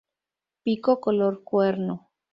Pico color cuerno.